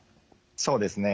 そうですね。